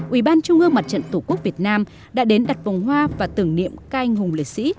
ubnd tqvn đã đến đặt vòng hoa và tưởng niệm các anh hùng lễ sĩ